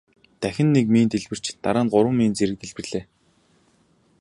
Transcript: Дахин нэг мин дэлбэрч дараа нь гурван мин зэрэг дэлбэрлээ.